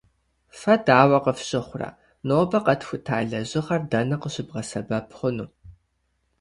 Фэ дауэ къыфщыхъурэ, нобэ къэтхута лэжьыгъэр дэнэ къыщыбгъэсэбэп хъуну?